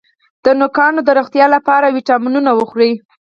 د نوکانو د روغتیا لپاره ویټامینونه وخورئ